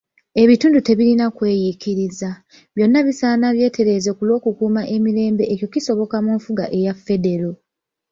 Ebitundu tebirina kweyiikiriza, byonna bisaana byetereeze ku lw'okukuuma emirembe ekyo kisoboka mu nfuga eya federo.